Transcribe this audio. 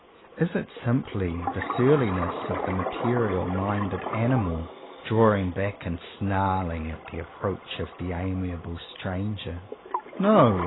Is it simply the surliness of the material minded animal, drawing back and snarling, at the approach of the amiable stranger? No!